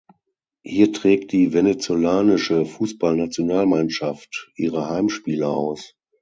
Hier trägt die Venezolanische Fußballnationalmannschaft ihre Heimspiele aus.